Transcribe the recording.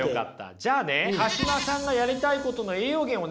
じゃあね鹿島さんがやりたいことの栄養源をね